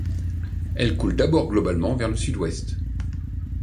Elle coule d'abord globalement vers le sud-ouest.